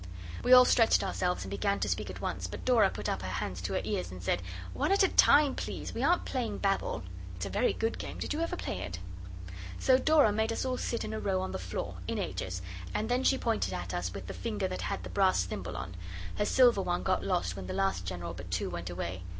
We all stretched ourselves and began to speak at once, but Dora put up her hands to her ears and said 'One at a time, please. We aren't playing Babel.' (It is a very good game. Did you ever play it?) So Dora made us all sit in a row on the floor, in ages, and then she pointed at us with the finger that had the brass thimble on. Her silver one got lost when the last General but two went away.